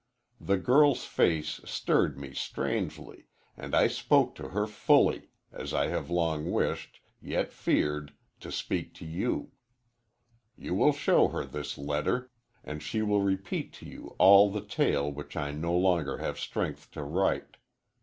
The girl's face stirred me strangely, and I spoke to her fully, as I have long wished, yet feared, to speak to you. You will show her this letter, and she will repeat to you all the tale which I no longer have strength to write.